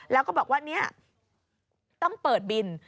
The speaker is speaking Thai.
แล้วก็บอกว่าต้องเปิดบิน